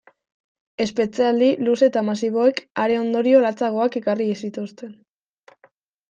Espetxealdi luze eta masiboek are ondorio latzagoak ekarri zituzten.